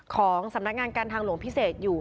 ของสำนักงานการทางหลวงพิเศษอยู่